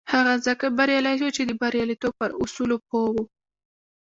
هغه ځکه بريالی شو چې د برياليتوب پر اصولو پوه و.